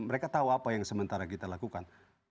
mereka tahu apa yang sementara kita lakukan